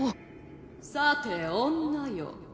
さて女よ。